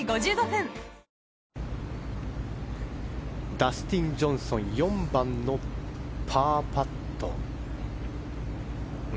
ダスティン・ジョンソン４番のパーパット。